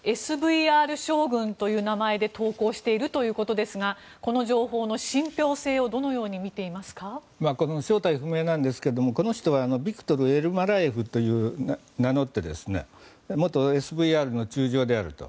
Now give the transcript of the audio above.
ＳＶＲ将軍という名前で投稿しているということですがこの情報の信ぴょう性を正体不明なんですけどこの人はビクトル・エルマラエフと名乗って元ＳＶＲの中将であると。